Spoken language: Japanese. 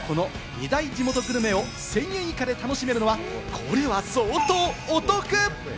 さらに、タコ飯も名物でこの２大地元グルメを１０００円以下で楽しめるのは、これは相当お得！